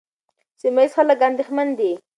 سیمه ییز خلک اندېښمن دي.